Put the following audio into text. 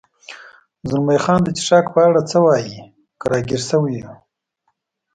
زلمی خان: د څښاک په اړه څه وایې؟ که را ګیر شوي یو.